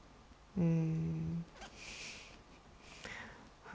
うん。